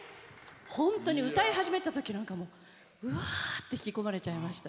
本当に歌い始めたときうわーって引き込まれちゃいました。